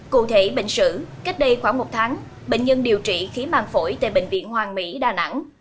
cụ thể bệnh sử cách đây khoảng một tháng bệnh nhân điều trị khí màng phổi tại bệnh viện hoàng mỹ đà nẵng